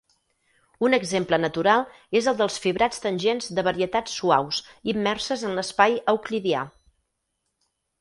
Un exemple natural és el dels fibrats tangents de varietats suaus immerses en l'espai euclidià.